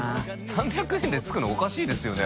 ３００円で付くのおかしいですよね？